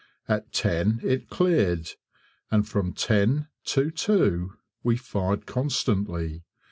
At 10 it cleared, and from 10 to 2 we fired constantly.